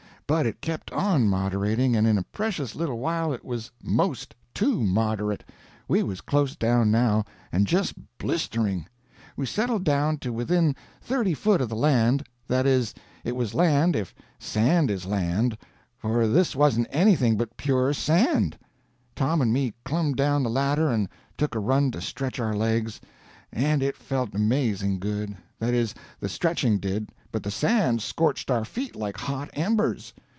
But it kept on moderating, and in a precious little while it was 'most too moderate. We was close down now, and just blistering! We settled down to within thirty foot of the land—that is, it was land if sand is land; for this wasn't anything but pure sand. Tom and me clumb down the ladder and took a run to stretch our legs, and it felt amazing good—that is, the stretching did, but the sand scorched our feet like hot embers.